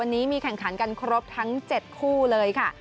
วันนี้มีแข่งขันกันครบทั้ง๗คู่เลยค่ะ